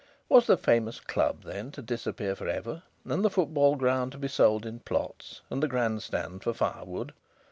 Was the famous club, then, to disappear for ever, and the football ground to be sold in plots, and the grand stand for firewood?